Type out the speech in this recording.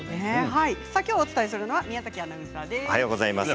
きょうお伝えするのは宮崎アナウンサーです。